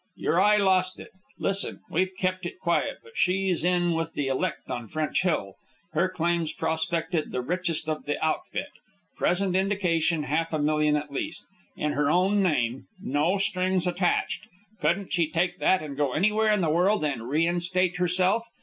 Your eye lost it. Listen. We've kept it quiet, but she's in with the elect on French Hill. Her claim's prospected the richest of the outfit. Present indication half a million at least. In her own name, no strings attached. Couldn't she take that and go anywhere in the world and reinstate herself?